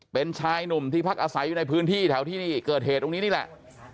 เป็นชายหนุ่มที่พักอาศัยอยู่ในพื้นที่แถวที่เกิดเหตุตรงนี้นี่แหละ